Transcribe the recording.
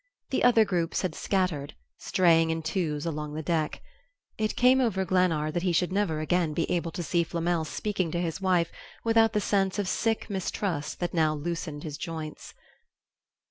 The other groups had scattered, straying in twos along the deck. It came over Glennard that he should never again be able to see Flamel speaking to his wife without the sense of sick mistrust that now loosened his joints....